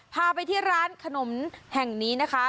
พาไปที่ร้านขนมแห่งนี้นะคะ